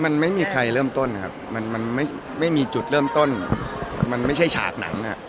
มันไม่มีใครเริ่มต้นครับมันมันไม่มีจุดเริ่มต้นมันไม่ใช่ฉากหนังอ่ะ